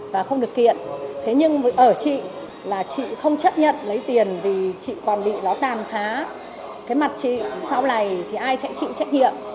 bọn em không có tiêm gì vào mặt chị hết